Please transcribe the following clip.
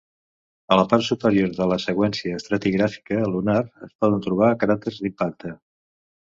A la part superior de la seqüència estratigràfica lunar es poden trobar cràters d'impacte.